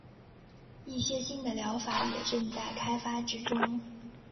一些新的疗法也正在开发之中。